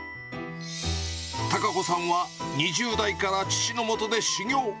孝子さんは２０代から父のもとで修業。